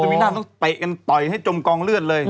วินาศต้องเตะกันต่อยให้จมกองเลือดเลย